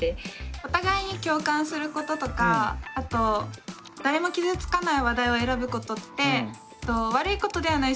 お互いに共感することとかあと誰も傷つかない話題を選ぶことって悪いことではない。